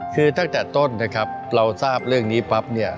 คือตั้งแต่ต้นนะครับเราทราบเรื่องนี้ปั๊บเนี่ย